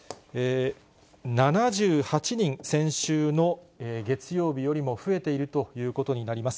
７８人、先週の月曜日よりも増えているということになります。